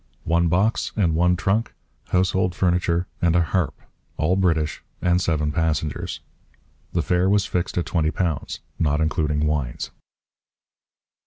One box and one trunk, household furniture and a harp, all British, and seven passengers.' The fare was fixed at £20, 'not including wines.'